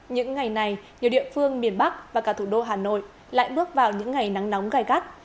những ngày này nhiều địa phương miền bắc và cả thủ đô hà nội lại bước vào những ngày nắng nóng gai gắt